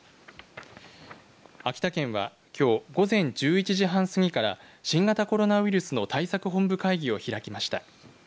秋田県はきょう午前１１時半過ぎから新型コロナウイルスの対策本部会議を開きました。